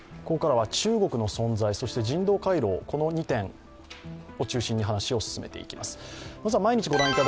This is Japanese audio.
ここからは中国の存在、そして人道回廊、この２点を中心に話を進めていきます。